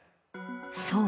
そう。